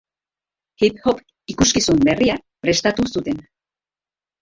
Hip hop ikuskizun berria prestatu zuten.